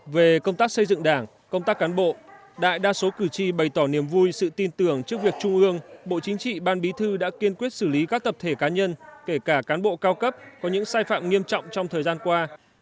về công tác xây dựng đảng công tác cán bộ đại đa số cử tri bày tỏ niềm vui sự tin tưởng trước việc trung ương bộ chính trị ban bí thư đã kiên quyết xử lý các tập thể cá nhân kể cả cán bộ cao cấp có những sai phạm nghiêm trọng trong thời gian qua